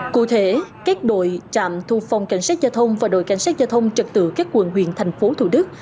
cụ thể các đội trạm thu phòng cảnh sát giao thông và đội cảnh sát giao thông trật tự các quận huyện thành phố thủ đức